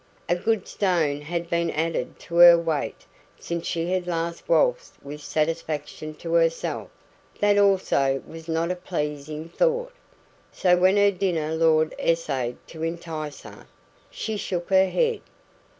A good stone had been added to her weight since she had last waltzed with satisfaction to herself; that also was not a pleasing thought. So when her dinner lord essayed to entice her, she shook her head.